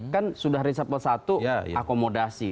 kan sudah risapel satu akomodasi